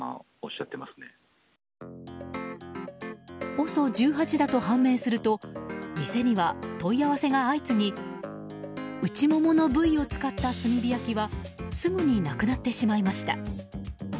ＯＳＯ１８だと判明すると店には問い合わせが相次ぎ内ももの部位を使った炭火焼きはすぐになくなってしまいました。